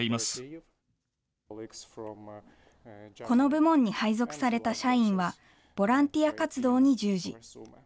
この部門に配属された社員は、ボランティア活動に従事。